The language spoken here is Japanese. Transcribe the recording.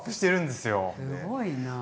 すごいなぁ。